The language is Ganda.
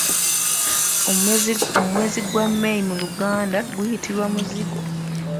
Omwezi gwa May mu luganda guyitibwa Muzigo.